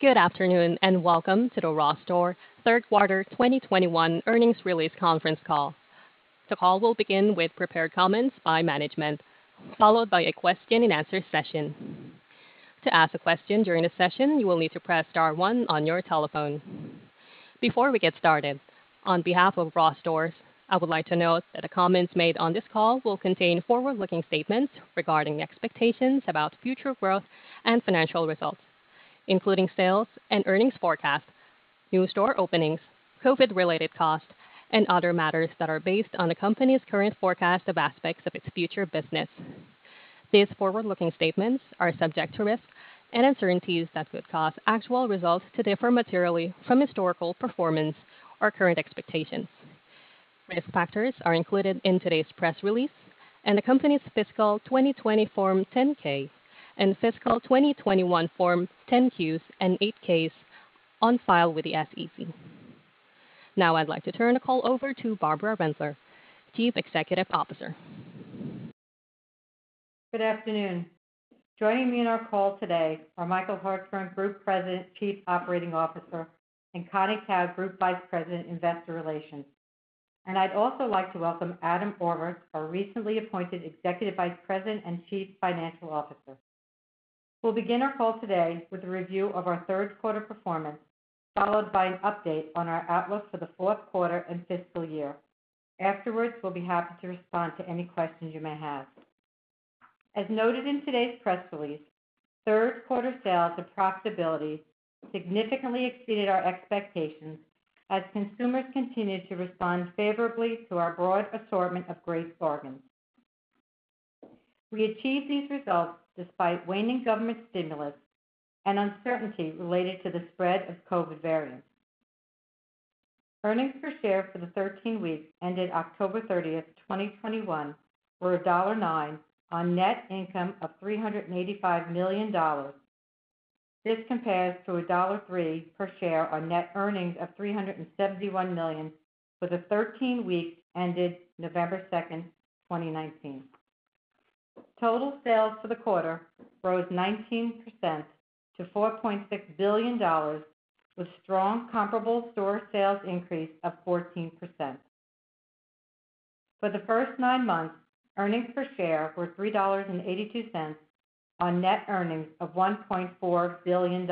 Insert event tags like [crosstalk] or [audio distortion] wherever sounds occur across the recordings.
Good afternoon, and welcome to the Ross Stores Third Quarter 2021 Earnings Release Conference Call. The call will begin with prepared comments by management, followed by a question and answer session. To ask a question during the session, you will need to press star one on your telephone. Before we get started, on behalf of Ross Stores, I would like to note that the comments made on this call will contain forward-looking statements regarding expectations about future growth and financial results, including sales and earnings forecasts, new store openings, COVID-related costs, and other matters that are based on the company's current forecast of aspects of its future business. These forward-looking statements are subject to risks and uncertainties that could cause actual results to differ materially from historical performance or current expectations. Risk factors are included in today's press release and the company's fiscal 2020 Form 10-K and fiscal 2021 Form 10-Qs and 8-Ks on file with the SEC. Now I'd like to turn the call over to Barbara Rentler, Chief Executive Officer. Good afternoon. Joining me on our call today are Michael Hartshorn, Group President, Chief Operating Officer, and Connie Kao, Group Vice President, Investor Relations. I'd also like to welcome Adam Orvos, our recently appointed Executive Vice President and Chief Financial Officer. We'll begin our call today with a review of our third quarter performance, followed by an update on our outlook for the fourth quarter and fiscal year. Afterwards, we'll be happy to respond to any questions you may have. As noted in today's press release, third quarter sales and profitability significantly exceeded our expectations as consumers continued to respond favorably to our broad assortment of great bargains. We achieved these results despite waning government stimulus and uncertainty related to the spread of COVID variants. Earnings per share for the 13 weeks ended October 30th, 2021 were $1.09 on net income of $385 million. This compares to $1.03 per share on net earnings of $371 million for the 13 weeks ended November 2nd, 2019. Total sales for the quarter rose 19% to $4.6 billion, with strong comparable store sales increase of 14%. For the first nine months, earnings per share were $3.82 on net earnings of $1.4 billion,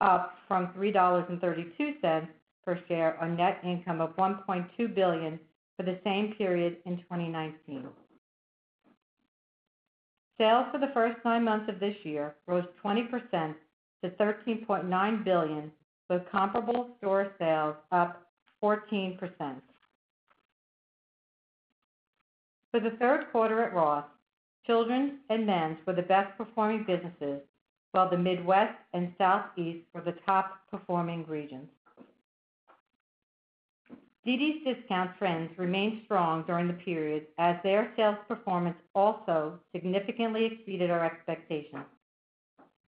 up from $3.32 per share on net income of $1.2 billion for the same period in 2019. Sales for the first nine months of this year rose 20% to $13.9 billion, with comparable store sales up 14%. For the third quarter at Ross, Children's and Men's were the best performing businesses, while the Midwest and Southeast were the top performing regions. dd's DISCOUNTS trends remained strong during the period as their sales performance also significantly exceeded our expectations.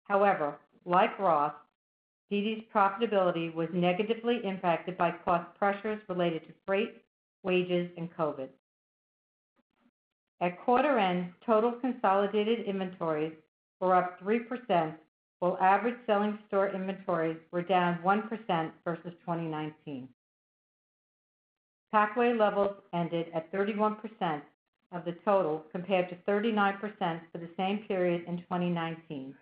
However, like Ross, dd's DISCOUNTS profitability was negatively impacted by cost pressures related to freight, wages, and COVID. At quarter end, total consolidated inventories were up 3%, while average selling store inventories were down 1% versus 2019. Packaway levels ended at 31% of the total, compared to 39% for the same period in 2019,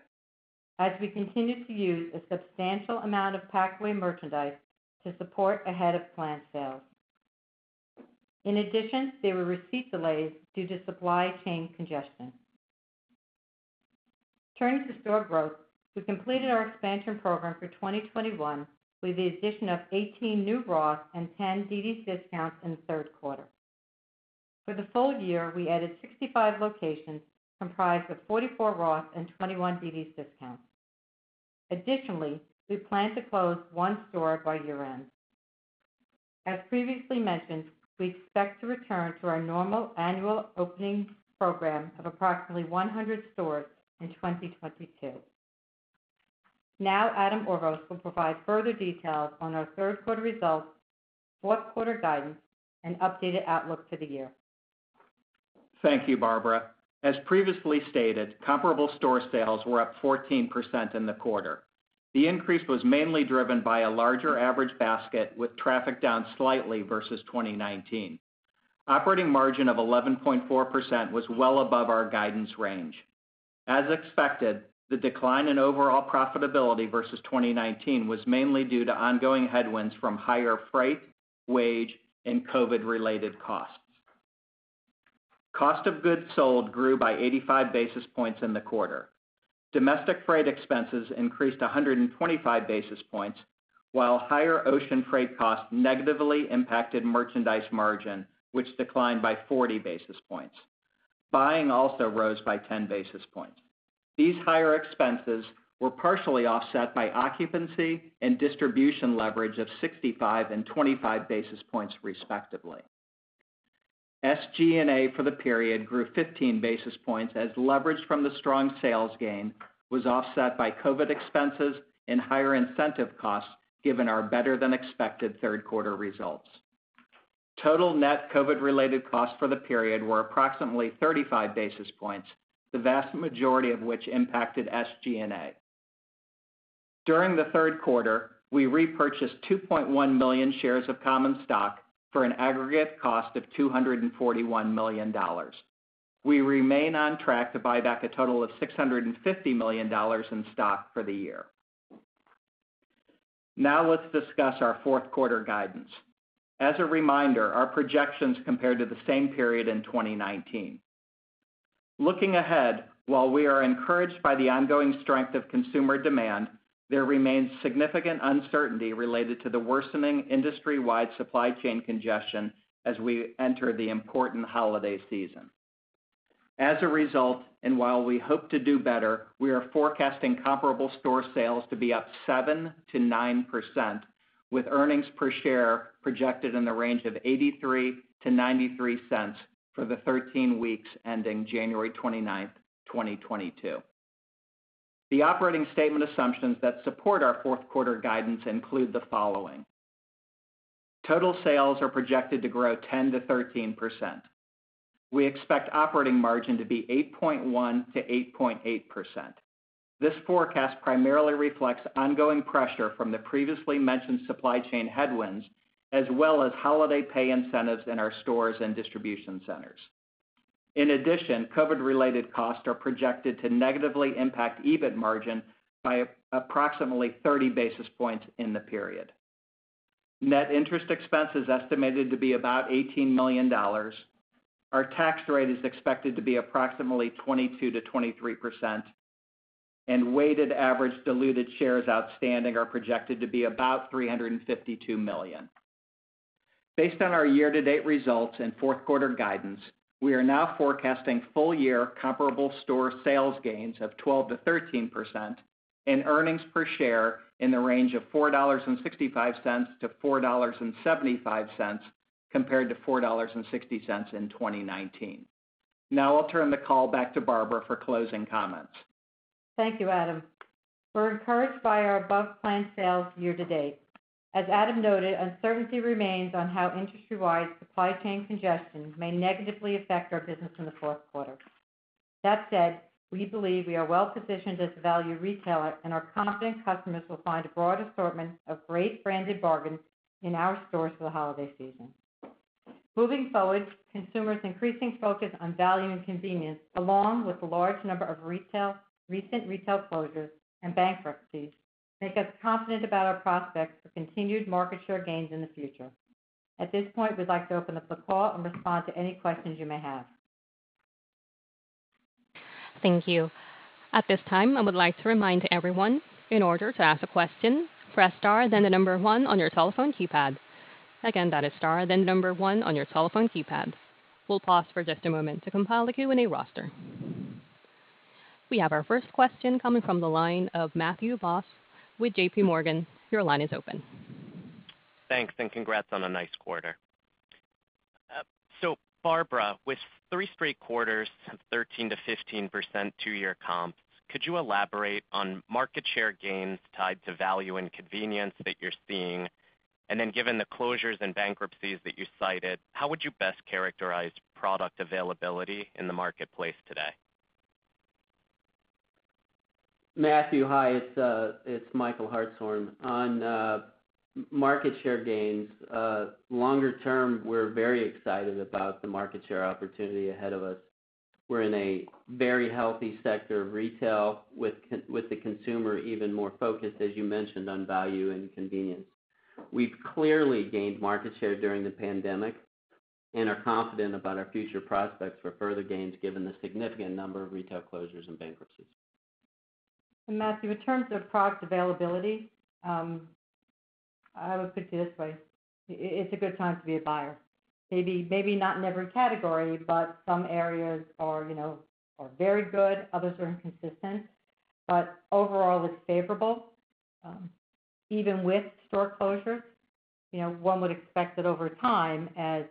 as we continued to use a substantial amount of packaway merchandise to support ahead of planned sales. In addition, there were receipt delays due to supply chain congestion. Turning to store growth, we completed our expansion program for 2021 with the addition of 18 new Ross and 10 dd's DISCOUNTS in the third quarter. For the full year, we added 65 locations comprised of 44 Ross and 21 dd's DISCOUNTS. Additionally, we plan to close one store by year-end. As previously mentioned, we expect to return to our normal annual opening program of approximately 100 stores in 2022. Now Adam Orvos will provide further details on our third quarter results, fourth quarter guidance, and updated outlook for the year. Thank you, Barbara. As previously stated, comparable store sales were up 14% in the quarter. The increase was mainly driven by a larger average basket with traffic down slightly versus 2019. Operating margin of 11.4% was well above our guidance range. As expected, the decline in overall profitability versus 2019 was mainly due to ongoing headwinds from higher freight, wage, and COVID related costs. Cost of goods sold grew by 85 basis points in the quarter. Domestic freight expenses increased 125 basis points, while higher ocean freight costs negatively impacted merchandise margin, which declined by 40 basis points. Buying also rose by 10 basis points. These higher expenses were partially offset by occupancy and distribution leverage of 65 and 25 basis points, respectively. SG&A for the period grew 15 basis points as leverage from the strong sales gain was offset by COVID expenses and higher incentive costs given our better than expected third quarter results. Total net COVID related costs for the period were approximately 35 basis points, the vast majority of which impacted SG&A. During the third quarter, we repurchased 2.1 million shares of common stock for an aggregate cost of $241 million. We remain on track to buy back a total of $650 million in stock for the year. Now let's discuss our fourth quarter guidance. As a reminder, our projections compare to the same period in 2019. Looking ahead, while we are encouraged by the ongoing strength of consumer demand, there remains significant uncertainty related to the worsening industry-wide supply chain congestion as we enter the important holiday season. As a result, while we hope to do better, we are forecasting comparable store sales to be up 7%-9%, with earnings per share projected in the range of $0.83-$0.93 for the 13 weeks ending January 29, 2022. The operating statement assumptions that support our fourth quarter guidance include the following. Total sales are projected to grow 10%-13%. We expect operating margin to be 8.1%-8.8%. This forecast primarily reflects ongoing pressure from the previously mentioned supply chain headwinds, as well as holiday pay incentives in our stores and distribution centers. In addition, COVID related costs are projected to negatively impact EBIT margin by approximately 30 basis points in the period. Net interest expense is estimated to be about $18 million. Our tax rate is expected to be approximately 22%-23%, and weighted average diluted shares outstanding are projected to be about 352 million. Based on our year to date results and fourth quarter guidance, we are now forecasting full year comparable store sales gains of 12%-13% and earnings per share in the range of $4.65-$4.75, compared to $4.60 in 2019. Now I'll turn the call back to Barbara for closing comments. Thank you, Adam. We're encouraged by our above plan sales year to date. As Adam noted, uncertainty remains on how industry-wide supply chain congestion may negatively affect our business in the fourth quarter. That said, we believe we are well positioned as a value retailer and are confident customers will find a broad assortment of great branded bargains in our stores for the holiday season. Moving forward, consumers' increasing focus on value and convenience, along with the large number of recent retail closures and bankruptcies, make us confident about our prospects for continued market share gains in the future. At this point, we'd like to open up the call and respond to any questions you may have. Thank you. At this time, I would like to remind everyone, in order to ask a question, press star then the number one on your telephone keypad. Again, that is star then number one on your telephone keypad. We'll pause for just a moment to compile the Q&A roster. We have our first question coming from the line of Matthew Boss with J.P. Morgan. Your line is open. Thanks and congrats on a nice quarter. Barbara, with three straight quarters of 13%-15% two-year comps, could you elaborate on market share gains tied to value and convenience that you're seeing? Given the closures and bankruptcies that you cited, how would you best characterize product availability in the marketplace today? Matthew, hi, it's Michael Hartshorn. On market share gains, longer term, we're very excited about the market share opportunity ahead of us. We're in a very healthy sector of retail with the consumer even more focused, as you mentioned, on value and convenience. We've clearly gained market share during the pandemic and are confident about our future prospects for further gains given the significant number of retail closures and bankruptcies. Matthew, in terms of product availability, I would put it this way, it's a good time to be a buyer. Maybe not in every category, but some areas are, you know, very good, others are inconsistent. Overall it's favorable, even with store closures. You know one would expect that over time, as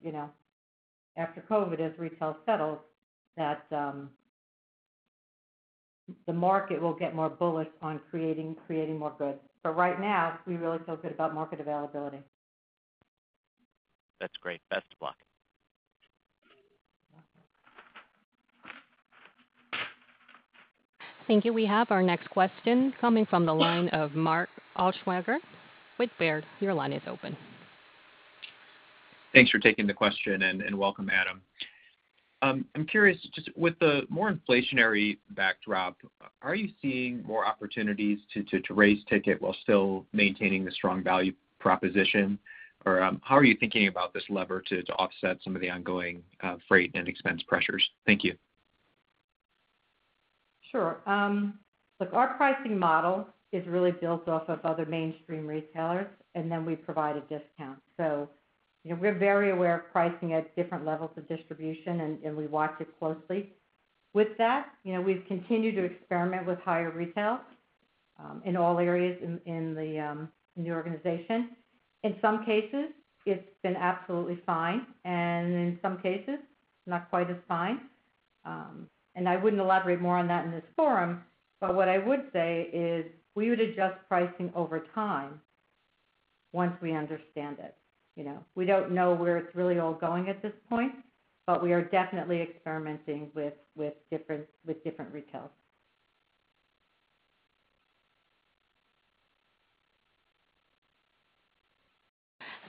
you know, after COVID, as retail settles, that the market will get more bullish on creating more goods. Right now, we really feel good about market availability. That's great. Best of luck. Thank you. We have our next question coming from the line of Mark Altschwager with Baird. Your line is open. Thanks for taking the question and welcome, Adam. I'm curious, just with the more inflationary backdrop, are you seeing more opportunities to raise ticket while still maintaining the strong value proposition? Or, how are you thinking about this lever to offset some of the ongoing freight and expense pressures? Thank you. Sure. Look, our pricing model is really built off of other mainstream retailers, and then we provide a discount. You know, we're very aware of pricing at different levels of distribution and we watch it closely. With that, you know, we've continued to experiment with higher retail in all areas in the organization. In some cases, it's been absolutely fine, and in some cases not quite as fine. I wouldn't elaborate more on that in this forum, but what I would say is we would adjust pricing over time once we understand it. You know, we don't know where it's really all going at this point, but we are definitely experimenting with different retails.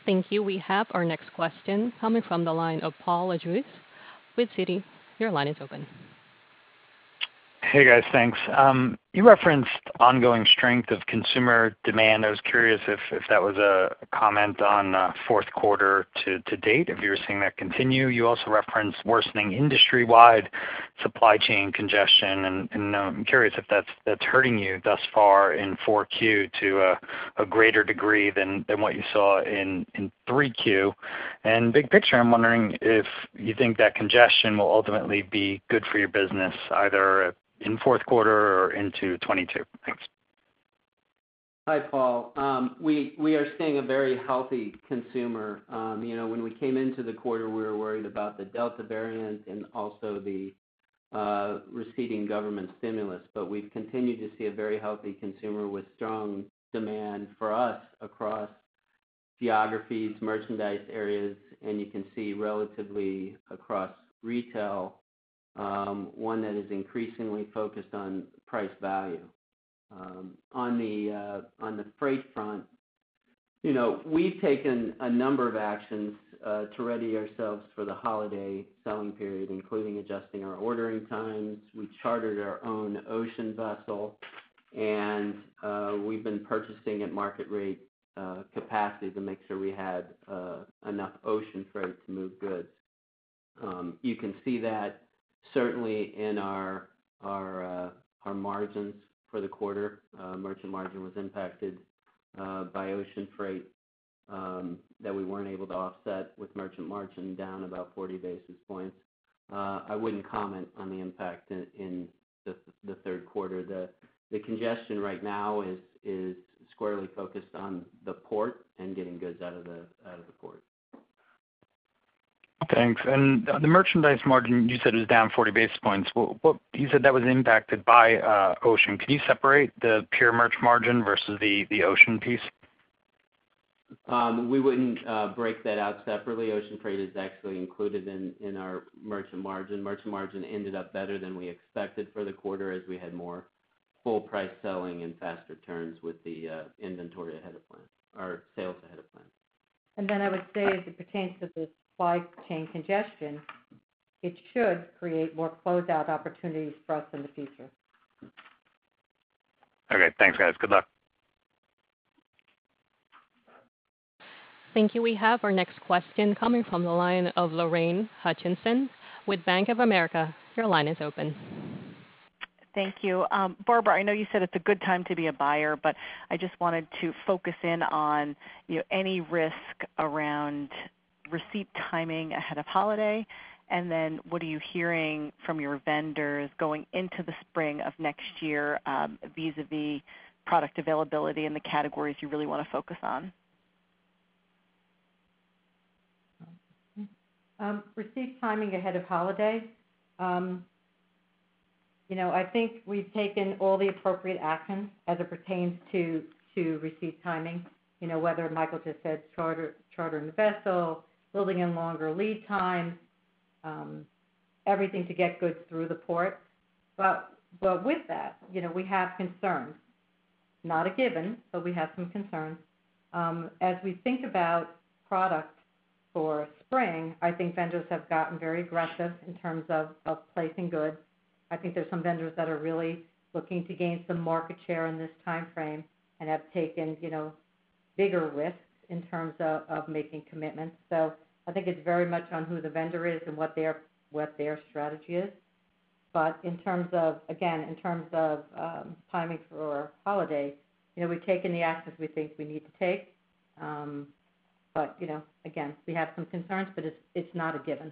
Thank you. We have our next question coming from the line of Paul Lejuez with Citi. Your line is open. Hey, guys, thanks. You referenced ongoing strength of consumer demand. I was curious if that was a comment on fourth quarter to date, if you were seeing that continue. You also referenced worsening industry-wide supply chain congestion, and I'm curious if that's hurting you thus far in Q4 to a greater degree than what you saw in Q3. Big picture, I'm wondering if you think that congestion will ultimately be good for your business, either in fourth quarter or into 2022. Thanks. Hi, Paul. We are seeing a very healthy consumer. You know, when we came into the quarter, we were worried about the Delta variant and also the receding government stimulus. We've continued to see a very healthy consumer with strong demand for us across geographies, merchandise areas, and you can see relatively across retail, one that is increasingly focused on price value. On the freight front, you know, we've taken a number of actions to ready ourselves for the holiday selling period, including adjusting our ordering times. We chartered our own ocean vessel, and we've been purchasing at market rate capacity to make sure we had enough ocean freight to move goods. You can see that certainly in our margins for the quarter. Merchandise margin was impacted by ocean freight that we weren't able to offset with merchandise margin down about 40 basis points. I wouldn't comment on the impact in the third quarter. The congestion right now is squarely focused on the port and getting goods out of the port. Thanks. The merchandise margin you said is down 40 basis points. What you said that was impacted by ocean. Can you separate the pure merch margin versus the ocean piece? We wouldn't break that out separately. Ocean freight is actually included in our merchant margin. Merchant margin ended up better than we expected for the quarter as we had more full price selling and faster turns with the inventory ahead of plan or sales ahead of plan. I would say as it pertains to the supply chain congestion, it should create more closeout opportunities for us in the future. Okay, thanks, guys. Good luck. Thank you. We have our next question coming from the line of Lorraine Hutchinson with Bank of America. Your line is open. Thank you. Barbara, I know you said it's a good time to be a buyer, but I just wanted to focus in on, you know, any risk around receipt timing ahead of holiday. What are you hearing from your vendors going into the spring of next year, vis-à-vis product availability in the categories you really wanna focus on? Receipt timing ahead of holiday. You know, I think we've taken all the appropriate actions as it pertains to receipt timing. You know, whether Michael just said, chartering a vessel, building in longer lead times, everything to get goods through the port. With that, you know, we have concerns. Not a given, but we have some concerns. As we think about product for spring, I think vendors have gotten very aggressive in terms of placing goods. I think there's some vendors that are really looking to gain some market share in this timeframe and have taken, you know, bigger risks in terms of making commitments. I think it's very much on who the vendor is and what their strategy is. In terms of timing for holiday, you know, we've taken the actions we think we need to take. You know, again, we have some concerns, but it's not a given.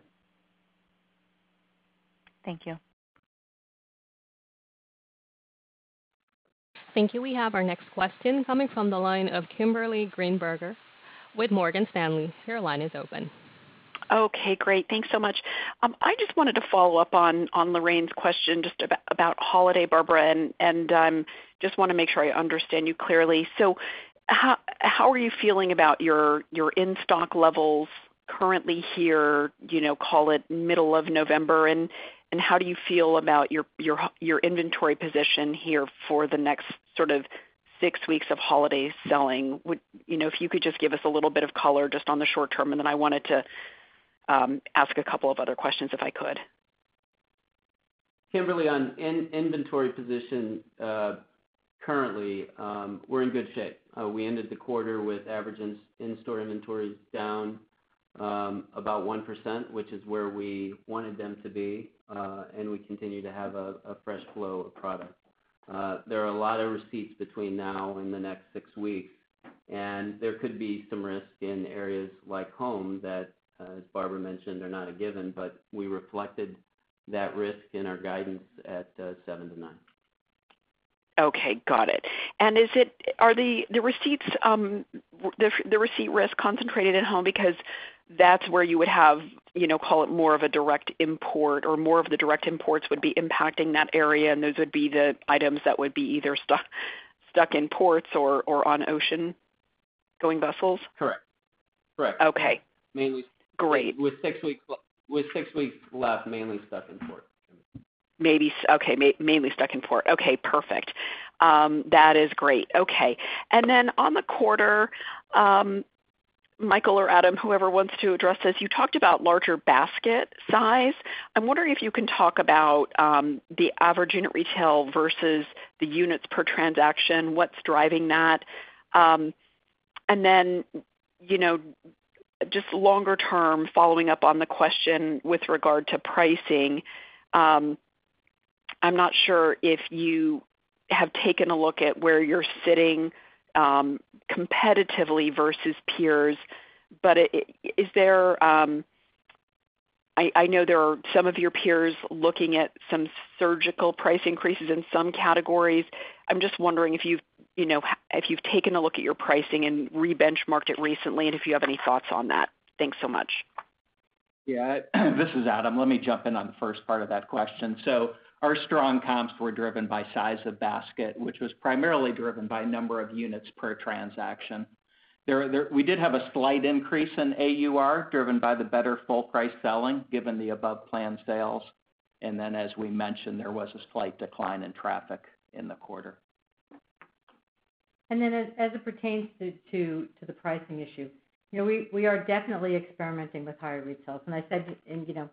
Thank you. Thank you. We have our next question coming from the line of Kimberly Greenberger with Morgan Stanley. Your line is open. Okay, great. Thanks so much. I just wanted to follow up on Lorraine's question just about holiday, Barbara, and just wanna make sure I understand you clearly. How are you feeling about your in-stock levels currently here, you know, call it middle of November? How do you feel about your inventory position here for the next sort of six weeks of holiday selling? You know, if you could just give us a little bit of color just on the short term, and then I wanted to ask a couple of other questions, if I could. Kimberly, on inventory position, currently, we're in good shape. We ended the quarter with average in-store inventories down about 1%, which is where we wanted them to be. We continue to have a fresh flow of product. There are a lot of receipts between now and the next six weeks, and there could be some risk in areas like home that, as Barbara mentioned, are not a given. We reflected that risk in our guidance at 7%-9%. Okay, got it. Are the freight risk concentrated at home because that's where you would have, you know, call it more of a direct import or more of the direct imports would be impacting that area and those would be the items that would be either stuck in ports or on ocean-going vessels? Correct. Okay. Mainly- Great. With six weeks left, mainly stuck in port. Mainly stuck in port. Okay, perfect. That is great. Okay. Then on the quarter, Michael or Adam, whoever wants to address this, you talked about larger basket size. I'm wondering if you can talk about the average unit retail versus the units per transaction, what's driving that. Then, you know, just longer term, following up on the question with regard to pricing, I'm not sure if you have taken a look at where you're sitting competitively versus peers, but is there. I know there are some of your peers looking at some surgical price increases in some categories. I'm just wondering if you've, you know, if you've taken a look at your pricing and re-benchmarked it recently and if you have any thoughts on that. Thanks so much. Yeah. This is Adam. Let me jump in on the first part of that question. Our strong comps were driven by size of basket, which was primarily driven by number of units per transaction. There, we did have a slight increase in AUR, driven by the better full price selling given the above plan sales. As we mentioned, there was a slight decline in traffic in the quarter. As it pertains to the pricing issue, you know, we are definitely experimenting with higher retails. I said, you know,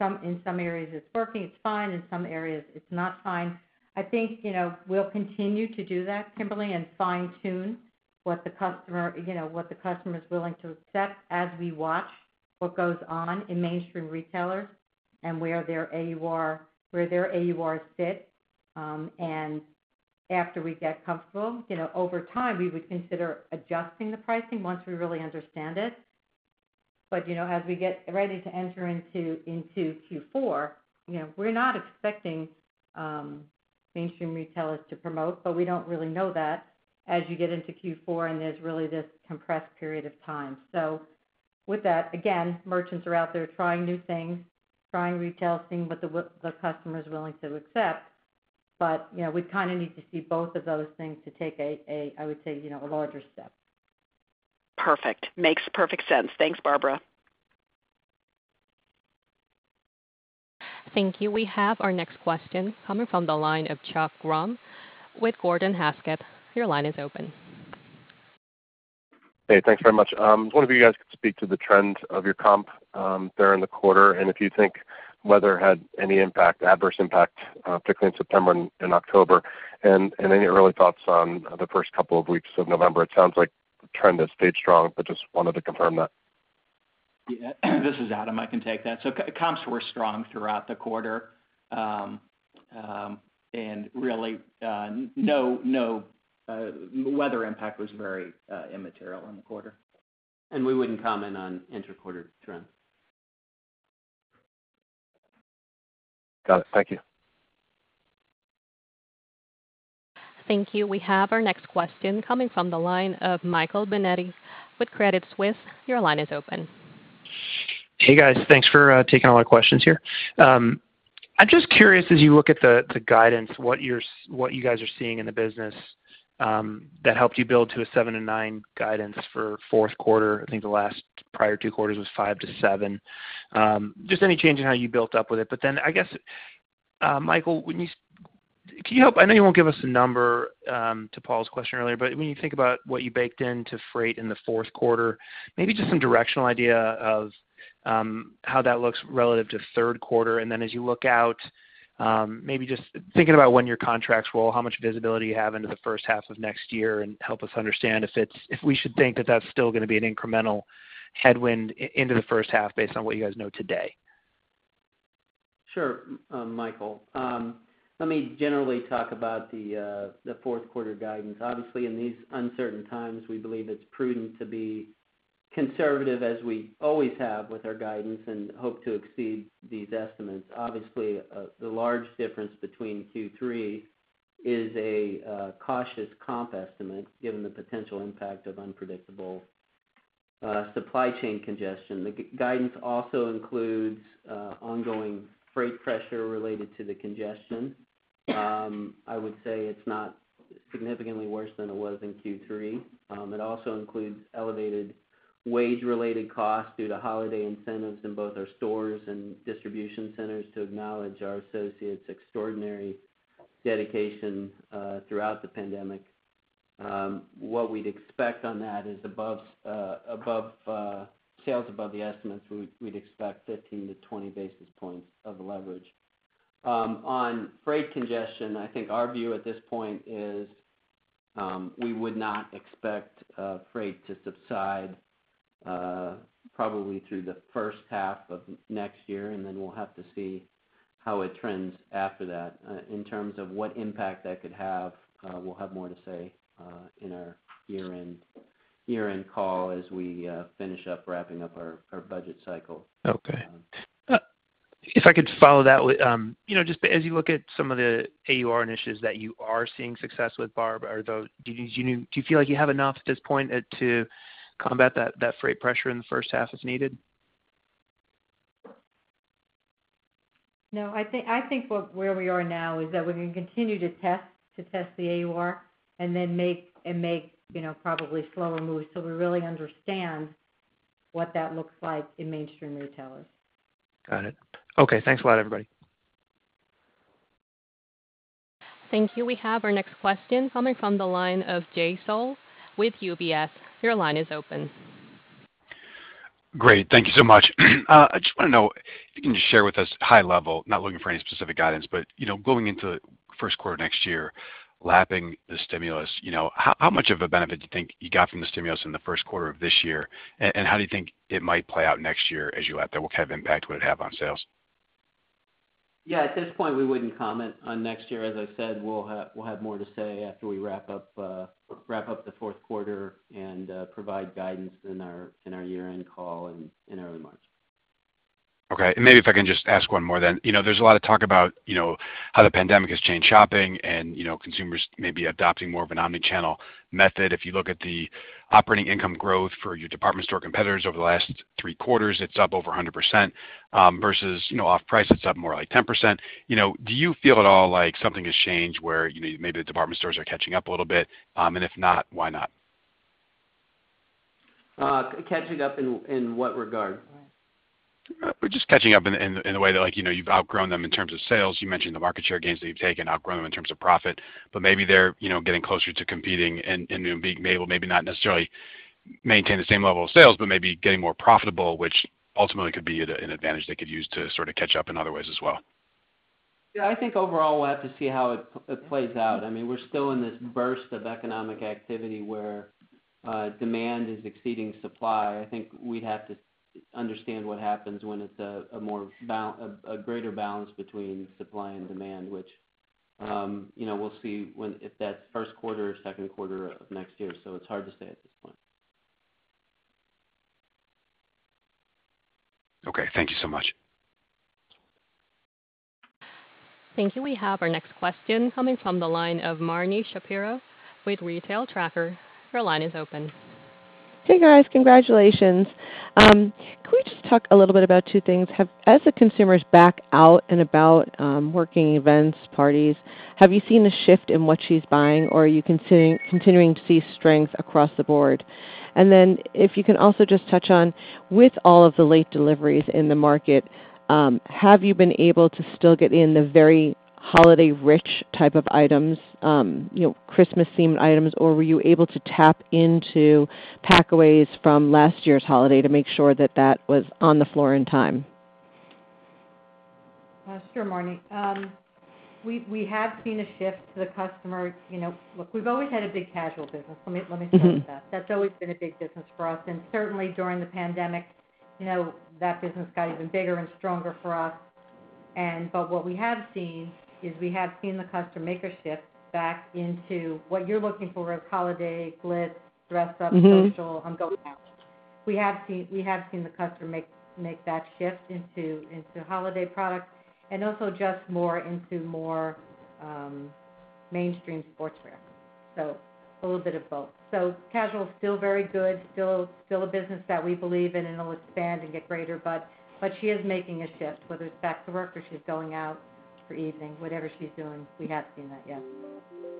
some in some areas it's working, it's fine. In some areas it's not fine. I think, you know, we'll continue to do that, Kimberly, and fine tune what the customer, you know, what the customer's willing to accept as we watch what goes on in mainstream retailers and where their AURs sit. After we get comfortable, you know, over time, we would consider adjusting the pricing once we really understand it. As we get ready to enter into Q4, you know, we're not expecting mainstream retailers to promote, but we don't really know that as you get into Q4 and there's really this compressed period of time. With that, again, merchants are out there trying new things, trying retail, seeing what the customer's willing to accept. You know, we kind of need to see both of those things to take a, I would say, you know, a larger step. Perfect. Makes perfect sense. Thanks, Barbara. Thank you. We have our next question coming from the line of Chuck Grom with Gordon Haskett. Your line is open. Hey, thanks very much. One of you guys could speak to the trend of your comp during the quarter, and if you think weather had any impact, adverse impact, particularly in September and October, and any early thoughts on the first couple of weeks of November. It sounds like the trend has stayed strong, but just wanted to confirm that. This is Adam. I can take that. Comps were strong throughout the quarter. Really, no weather impact was very immaterial in the quarter. We wouldn't comment on inter-quarter trends. Got it. Thank you. Thank you. We have our next question coming from the line of Michael Binetti with Credit Suisse. Your line is open. Hey, guys. Thanks for taking all our questions here. I'm just curious, as you look at the guidance, what you guys are seeing in the business, that helped you build to a 7%-9% guidance for fourth quarter. I think the last prior two quarters was 5%-7%. Just any change in how you built up with it. Then I guess, Michael, can you help. I know you won't give us a number, to Paul's question earlier, but when you think about what you baked into freight in the fourth quarter, maybe just some directional idea of how that looks relative to third quarter. As you look out, maybe just thinking about when your contracts roll, how much visibility you have into the first half of next year and help us understand if we should think that that's still gonna be an incremental headwind into the first half based on what you guys know today. Sure, Michael. Let me generally talk about the fourth quarter guidance. Obviously, in these uncertain times, we believe it's prudent to be conservative as we always have with our guidance and hope to exceed these estimates. Obviously, the large difference between Q3 is a cautious comp estimate given the potential impact of unpredictable supply chain congestion. The guidance also includes ongoing freight pressure related to the congestion. I would say it's not significantly worse than it was in Q3. It also includes elevated wage related costs due to holiday incentives in both our stores and distribution centers to acknowledge our associates' extraordinary dedication throughout the pandemic. What we'd expect on that is above sales above the estimates, we'd expect 15-20 basis points of leverage. On freight congestion, I think our view at this point is, we would not expect freight to subside probably through the first half of next year, and then we'll have to see how it trends after that. In terms of what impact that could have, we'll have more to say in our year-end call as we finish up wrapping up our budget cycle. Okay, if I could follow that with, you know, just as you look at some of the AUR initiatives that you are seeing success with Barb, do you feel like you have enough at this point to combat that freight pressure in the first half as needed? No, I think where we are now is that we're gonna continue to test the AUR and then and make you know probably slower moves till we really understand what that looks like in mainstream retailers. Got it. Okay. Thanks a lot everybody. Thank you. We have our next question coming from the line of Jay Sole with UBS. Your line is open. Great. Thank you so much. I just wanna know if you can just share with us high level, not looking for any specific guidance, but, you know, going into first quarter next year, lapping the stimulus, you know, how much of a benefit do you think you got from the stimulus in the first quarter of this year? And how do you think it might play out next year as you lap that, what kind of impact would it have on sales? Yeah, at this point, we wouldn't comment on next year. As I said, we'll have more to say after we wrap up the fourth quarter and provide guidance in our year-end call in early March. Okay. Maybe if I can just ask one more then. You know, there's a lot of talk about, you know, how the pandemic has changed shopping and, you know, consumers may be adopting more of an omni-channel method. If you look at the operating income growth for your department store competitors over the last three quarters, it's up over 100%, versus, you know, off-price, it's up more like 10%. You know, do you feel at all like something has changed where, you know, maybe the department stores are catching up a little bit? And if not, why not? Catching up in what regard? Just catching up in the way that like, you know, you've outgrown them in terms of sales. You mentioned the market share gains that you've taken, outgrown them in terms of profit, but maybe they're, you know, getting closer to competing and being able maybe not necessarily maintain the same level of sales, but maybe getting more profitable, which ultimately could be at an advantage they could use to sort of catch up in other ways as well. Yeah, I think overall we'll have to see how it plays out. I mean, we're still in this burst of economic activity where demand is exceeding supply. I think we'd have to understand what happens when it's a greater balance between supply and demand, which you know, we'll see when if that's first quarter or second quarter of next year. So it's hard to say at this point. Okay. Thank you so much. Thank you. We have our next question coming from the line of Marni Shapiro with Retail Tracker. Your line is open. Hey, guys. Congratulations. Can we just talk a little bit about two things? As the consumers back out and about, working events, parties, have you seen a shift in what she's buying or are you continuing to see strength across the board? If you can also just touch on, with all of the late deliveries in the market, have you been able to still get in the very holiday rich type of items, you know, Christmas themed items, or were you able to tap into packaways from last year's holiday to make sure that that was on the floor in time? Sure, Marni. We have seen a shift to the customer. You know, look, we've always had a big casual business. Let me start with that's always been a big business for us. Certainly during the pandemic, you know, that business got even bigger and stronger for us. What we have seen is the customer make a shift back into what you're looking for as holiday glitz, dress up, social, going out. We have seen the customer make that shift into holiday products and also just more into mainstream sportswear. A little bit of both. Casual is still very good, still a business that we believe in and it'll expand and get greater, but she is making a shift, whether it's back to work or she's going out for evening, whatever she's doing, we have seen that, yes.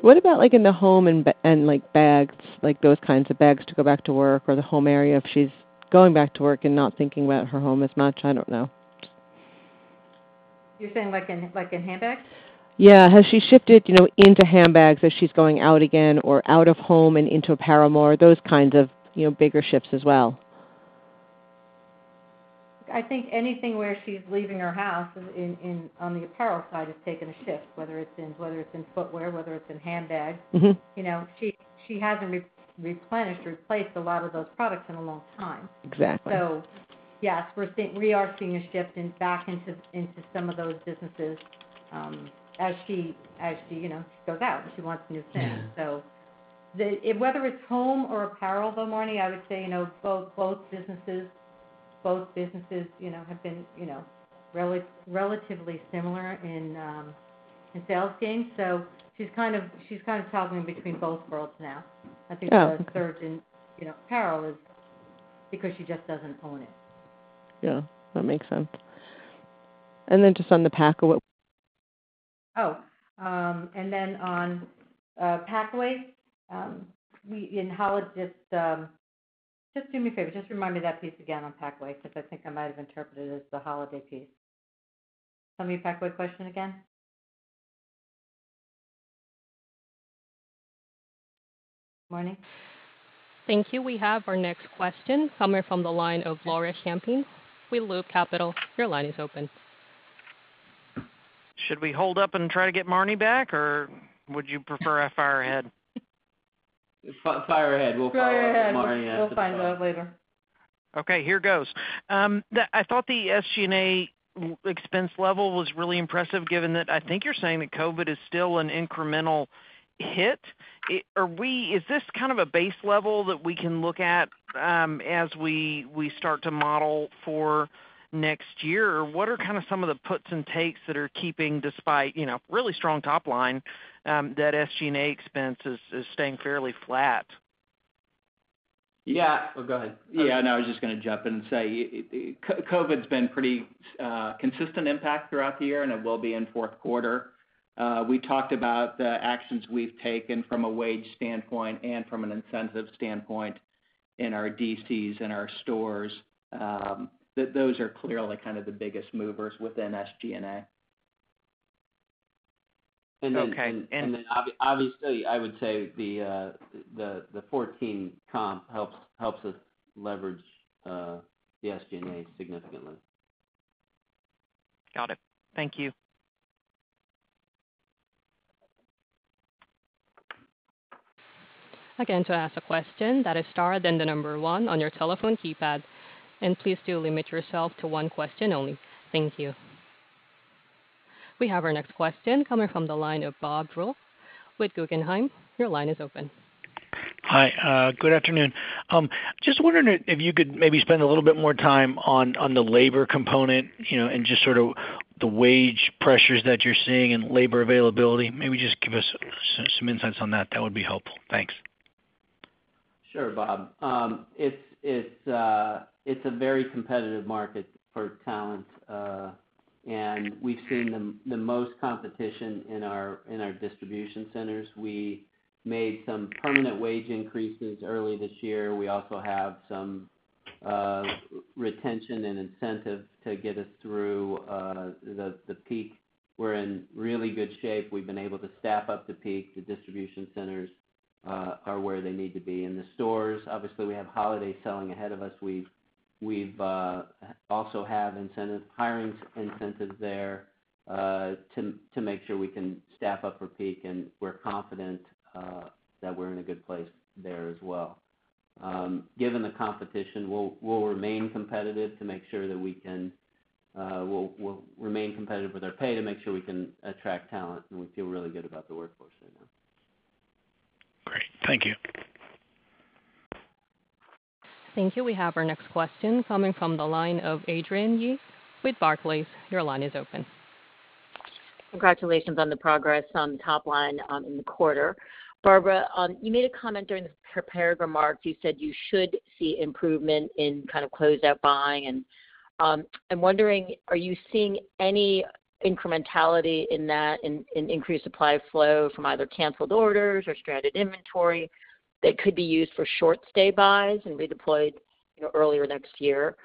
What about like in the home and like bags, like those kinds of bags to go back to work or the home area, if she's going back to work and not thinking about her home as much? I don't know. You're saying like in handbags? Yeah. Has she shifted, you know, into handbags as she's going out again or out of home and into apparel more? Those kinds of, you know, bigger shifts as well. I think anything where she's leaving her house in on the apparel side has taken a shift, whether it's in footwear, whether it's in handbags. You know, she hasn't replenished, replaced a lot of those products in a long time. Exactly. Yes, we are seeing a shift back into some of those businesses, as she, you know, goes out and she wants new things. Yeah. Whether it's home or apparel though, Marni, I would say, you know, both businesses, you know, have been, you know, relatively similar in sales gains. She's kind of toggling between both worlds now. I think the surge in, you know, apparel is because she just doesn't own it. Yeah, that makes sense. Just on the packaway. Oh, on packaway, just do me a favor, just remind me that piece again on packaway, because I think I might have interpreted it as the holiday piece. Tell me your packaway question again. Marni? Thank you. We have our next question coming from the line of Laura Champine with Loop Capital. Your line is open. Should we hold up and try to get Marni back, or would you prefer I fire away? Fire ahead. We'll follow up tomorrow. Go ahead. We'll find love later. Okay, here goes. I thought the SG&A expense level was really impressive given that I think you're saying that COVID is still an incremental hit. Is this kind of a base level that we can look at as we start to model for next year? Or what are kind of some of the puts and takes that are keeping despite, you know, really strong top line that SG&A expense is staying fairly flat? Yeah. Oh, go ahead. Yeah, no, I was just gonna jump in and say, COVID's been pretty consistent impact throughout the year, and it will be in fourth quarter. We talked about the actions we've taken from a wage standpoint and from an incentive standpoint in our DCs and our stores, that those are clearly kind of the biggest movers within SG&A. Okay. Obviously, I would say the 14 comp helps us leverage the SG&A significantly. Got it. Thank you. Again, to ask a question, press star, then one on your telephone keypad, and please do limit yourself to one question only. Thank you. We have our next question coming from the line of Bob Drbul with Guggenheim. Your line is open. Hi, good afternoon. Just wondering if you could maybe spend a little bit more time on the labor component, you know, and just sort of the wage pressures that you're seeing and labor availability. Maybe just give us some insights on that. That would be helpful. Thanks. Sure, Bob. It's a very competitive market for talent, and we've seen the most competition in our distribution centers. We made some permanent wage increases early this year. We also have some retention and incentives to get us through the peak. We're in really good shape. We've been able to staff up the peak. The distribution centers are where they need to be. In the stores, obviously, we have holiday selling ahead of us. We also have hiring incentives there to make sure we can staff up for peak, and we're confident that we're in a good place there as well. Given the competition, we'll remain competitive with our pay to make sure we can attract talent, and we feel really good about the workforce right now. Great. Thank you. Thank you. We have our next question coming from the line of Adrienne Yih with Barclays. Your line is open. Congratulations on the progress on top line in the quarter. Barbara, you made a comment during the prepared remarks. You said you should see improvement in kind of closeout buying and I'm wondering, are you seeing any incrementality in that in increased supply flow from either canceled orders or stranded inventory that could be used for short stay buys and redeployed, you know, earlier next year?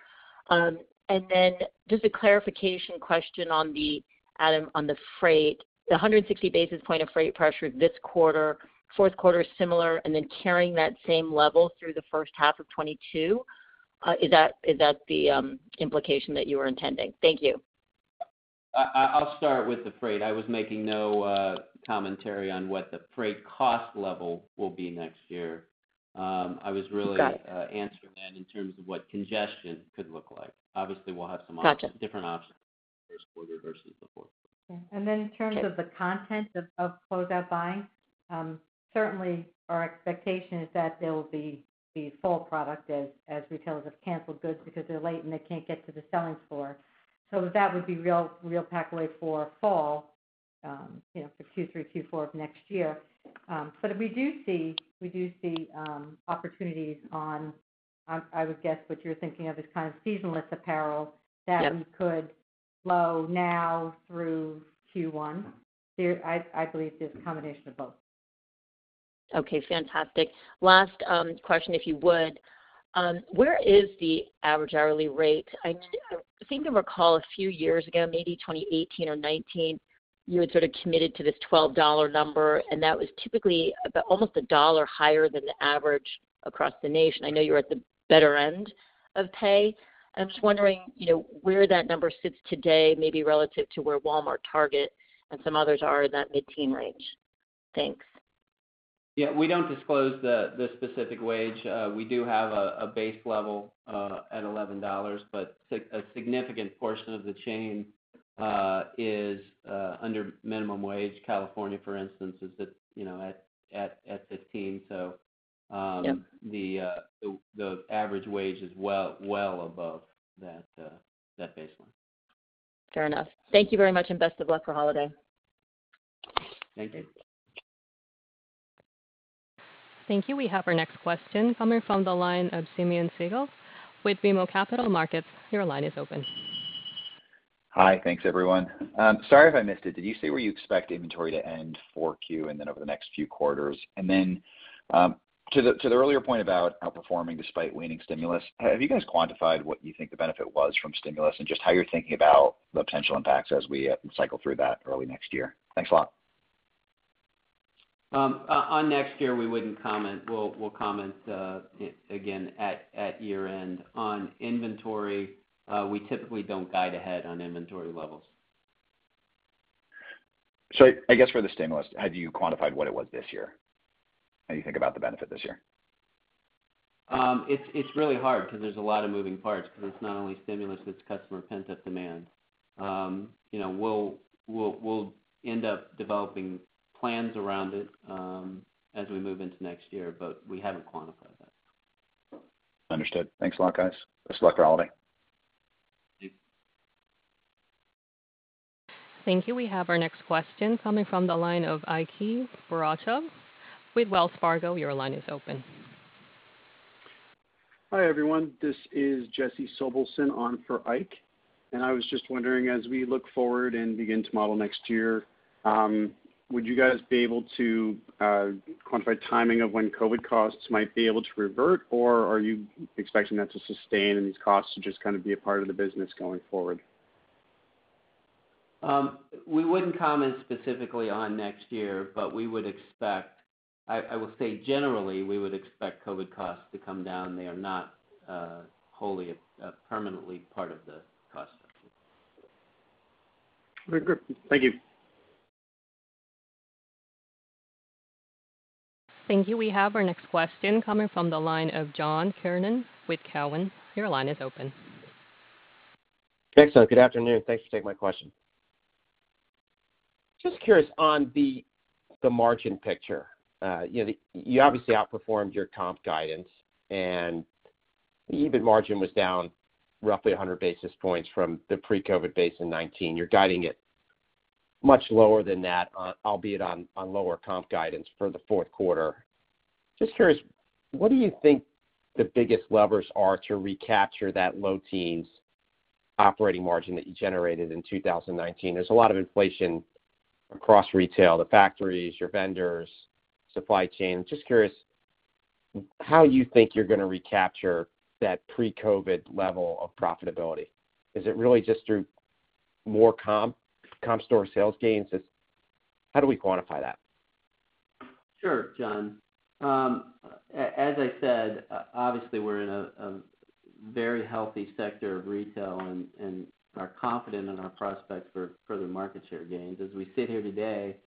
Just a clarification question on the freight, Adam, on the freight. The 160 basis points of freight pressure this quarter, fourth quarter is similar, and then carrying that same level through the first half of 2022, is that the implication that you were intending? Thank you. I'll start with the freight. I was making no commentary on what the freight cost level will be next year. I was really- Got it. answering that in terms of what congestion could look like. Obviously, we'll have some options. Gotcha Different options first quarter versus the fourth. Yeah. In terms of the content of closeout buying, certainly our expectation is that there will be the fall product as retailers have canceled goods because they're late and they can't get to the selling floor. That would be real packaway for fall, you know, for Q3, Q4 of next year. We do see opportunities on, I would guess what you're thinking of is kind of seasonless apparel that we could flow now through Q1. I believe there's a combination of both. Okay, fantastic. Last question, if you would. Where is the average hourly rate? I think I recall a few years ago, maybe 2018 or 2019, you had sort of committed to this $12 number, and that was typically about almost a dollar higher than the average across the nation. I know you were at the better end of pay. I'm just wondering, you know, where that number sits today, maybe relative to where Walmart, Target, and some others are in that mid-teen range. Thanks. Yeah. We don't disclose the specific wage. We do have a base level at $11, but significant portion of the chain is above minimum wage. California, for instance, is at, you know, $15. Yep The average wage is well above that baseline. Fair enough. Thank you very much, and best of luck for holiday. Thank you. Thank you. Thank you. We have our next question coming from the line of Simeon Siegel with BMO Capital Markets. Your line is open. Hi. Thanks, everyone. Sorry if I missed it. Did you say where you expect inventory to end for Q and then over the next few quarters? To the earlier point about outperforming despite waning stimulus, have you guys quantified what you think the benefit was from stimulus and just how you're thinking about the potential impacts as we cycle through that early next year? Thanks a lot. On next year, we wouldn't comment. We'll comment again at year-end. On inventory, we typically don't guide ahead on inventory levels. I guess for the stimulus, have you quantified what it was this year? How you think about the benefit this year? It's really hard 'cause there's a lot of moving parts. 'Cause it's not only stimulus, but it's customer pent-up demand. You know, we'll end up developing plans around it as we move into next year, but we haven't quantified that. Understood. Thanks a lot, guys. [audio distortion] Thank you. Thank you. We have our next question coming from the line of Ike Boruchow with Wells Fargo. Your line is open. Hi, everyone. This is Jesse Sobelson on for Ike. I was just wondering, as we look forward and begin to model next year, would you guys be able to quantify timing of when COVID costs might be able to revert, or are you expecting that to sustain and these costs to just kinda be a part of the business going forward? We wouldn't comment specifically on next year, but I will say generally, we would expect COVID costs to come down. They are not wholly permanently part of the cost center. Very good. Thank you. Thank you. We have our next question coming from the line of John Kernan with Cowen. Your line is open. Thanks, good afternoon. Thanks for taking my question. Just curious on the margin picture. You know, you obviously outperformed your comp guidance, and EBIT margin was down roughly 100 basis points from the pre-COVID base in 2019. You're guiding it much lower than that albeit on lower comp guidance for the fourth quarter. Just curious, what do you think the biggest levers are to recapture that low teens operating margin that you generated in 2019? There's a lot of inflation across retail, the factories, your vendors, supply chain. Just curious how you think you're gonna recapture that pre-COVID level of profitability. Is it really just through more comp store sales gains? How do we quantify that? Sure, John. As I said, obviously we're in a very healthy sector of retail and are confident in our prospects for further market share gains. As we sit here today,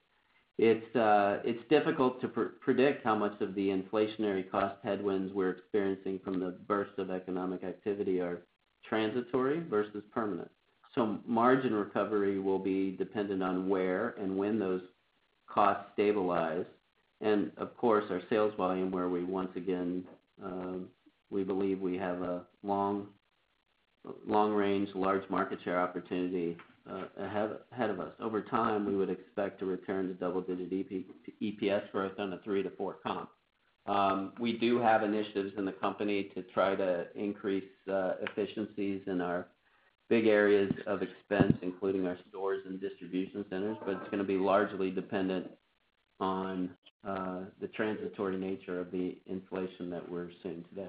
it's difficult to predict how much of the inflationary cost headwinds we're experiencing from the burst of economic activity are transitory versus permanent. Margin recovery will be dependent on where and when those costs stabilize and, of course, our sales volume, where we once again we believe we have a long range, large market share opportunity ahead of us. Over time, we would expect to return to double-digit EPS growth on a 3%-4% comp. We do have initiatives in the company to try to increase efficiencies in our big areas of expense, including our stores and distribution centers, but it's gonna be largely dependent on the transitory nature of the inflation that we're seeing today.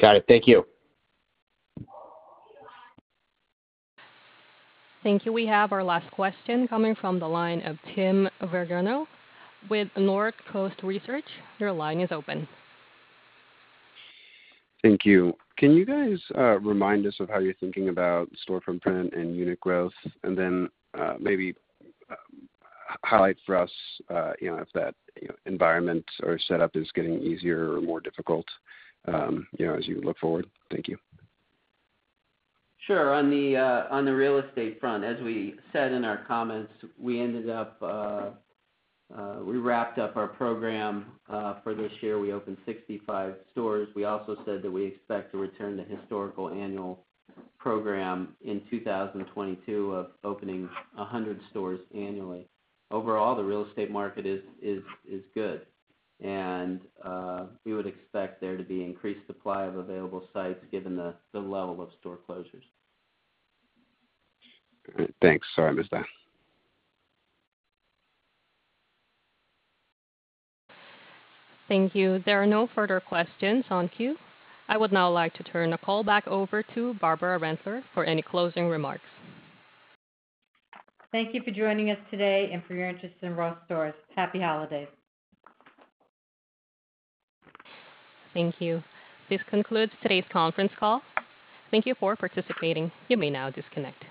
Got it. Thank you. Thank you. We have our last question coming from the line of Tim Vergano with Northcoast Research. Your line is open. Thank you. Can you guys remind us of how you're thinking about store footprint and unit growth? Maybe highlight for us, you know, if that, you know, environment or setup is getting easier or more difficult, you know, as you look forward. Thank you. Sure. On the real estate front, as we said in our comments, we wrapped up our program for this year. We opened 65 stores. We also said that we expect to return to historical annual program in 2022 of opening 100 stores annually. Overall, the real estate market is good. We would expect there to be increased supply of available sites given the level of store closures. All right. Thanks. Sorry, I missed that. Thank you. There are no further questions in queue. I would now like to turn the call back over to Barbara Rentler for any closing remarks. Thank you for joining us today and for your interest in Ross Stores. Happy holidays. Thank you. This concludes today's conference call. Thank you for participating. You may now disconnect.